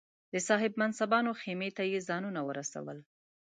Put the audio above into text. د صاحب منصبانو خېمې ته یې ځانونه ورسول.